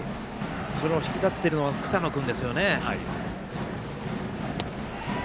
引き立ててるのが、草野君ですね。